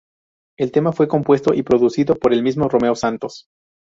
El tema fue compuesto y producido por el mismo Romeo Santos.